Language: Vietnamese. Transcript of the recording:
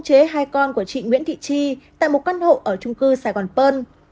chị nguyễn thị chi tại một căn hộ ở trung cư sài gòn pơn